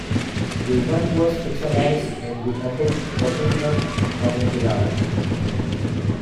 The event was fictionalized in the epic "Taghribat Bani Hilal".